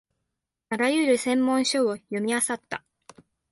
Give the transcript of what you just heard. あらゆる専門書を読みあさった